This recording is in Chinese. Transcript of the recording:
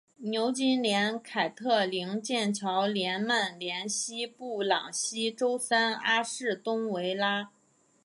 牛津联凯特灵剑桥联曼联西布朗锡周三阿士东维拉